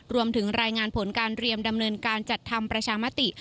รวมถึงรายงานผลการเรียมดำเนินการจัดทำประชามติ